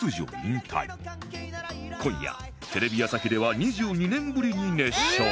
今夜テレビ朝日では２２年ぶりに熱唱